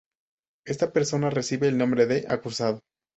Esta persona recibe el nombre de acusado.